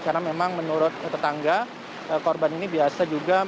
karena memang menurut tetangga korban ini biasa juga